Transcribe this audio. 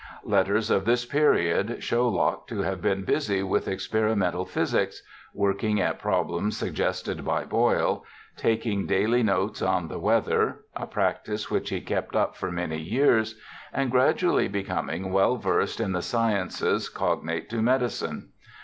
Letters of this period show Locke to have been busy with experi mental physics, working at problems suggested by Boyle, taking daily notes on the weather (a practice which he kept up for many years), and gradually be coming well versed in the sciences cognate to medicine.